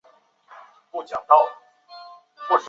朗科尼。